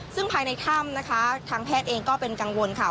ซึ่งภายในถ้ำนะคะทางแพทย์เองก็เป็นกังวลค่ะ